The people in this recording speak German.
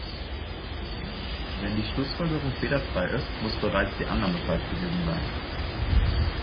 Wenn die Schlussfolgerung fehlerfrei ist, muss bereits die Annahme falsch gewesen sein.